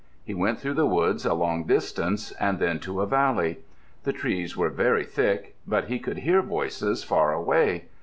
He went through the woods a long distance, and then to a valley. The trees were very thick, but he could hear voices far away.